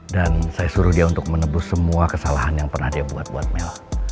dan saya suruh dia untuk menebus semua kesalahan yang pernah dia buat buat mel